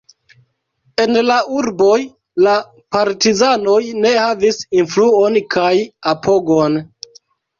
En la urboj la partizanoj ne havis influon kaj apogon.